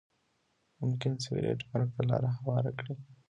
ممکن سګریټ مرګ ته لاره هواره کړي.